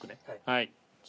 はい。